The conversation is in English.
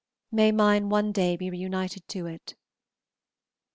May mine one day be reunited to it!